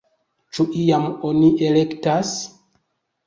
Ĉu iam oni elektas?